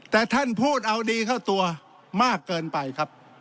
แต่ท่านพูดเอาดีเข้าตัวมากเกินไปครับ